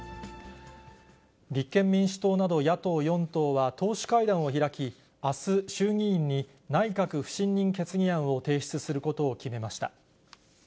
立憲民主党など野党４党は、党首会談を開き、あす、衆議院に内閣不信任決議案を提出することを決めました。